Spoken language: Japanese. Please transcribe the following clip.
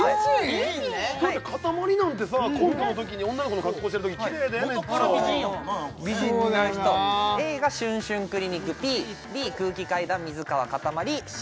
だってかたまりなんてさコントのときに女の子の格好してるときキレイやでめっちゃ元から美人やもんななんかね美人になる人ＡがしゅんしゅんクリニックＰＢ空気階段水川かたまりＣ